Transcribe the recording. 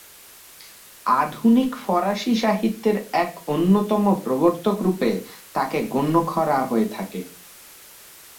আধুনিক ফরাসি সাহিত্যের এক অন্যতম প্রবর্তক রূপে তাকে গণ্য করা হয়ে থাকে।